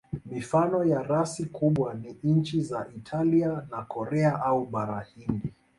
Mifano ya rasi kubwa ni nchi za Italia na Korea au Bara Hindi.